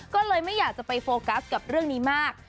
ก็เลยไม่อยากจะไปโฟกัสกับเรื่องนี้มาก